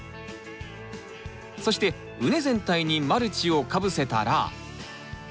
そして畝全体にマルチをかぶせたら。